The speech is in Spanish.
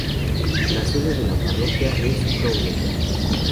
La sede de la parroquia es Crowley.